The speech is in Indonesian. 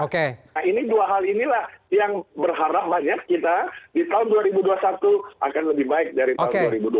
nah ini dua hal inilah yang berharap banyak kita di tahun dua ribu dua puluh satu akan lebih baik dari tahun dua ribu dua puluh